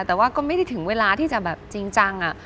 แต่ว่าก็ไม่ได้ถึงเวลาที่จะแบบจริงจัง